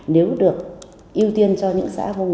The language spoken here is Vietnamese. nếu được ưu tiên cho những xã